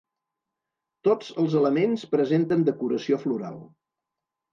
Tots els elements presenten decoració floral.